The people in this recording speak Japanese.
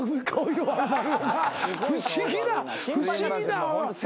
不思議な不思議な。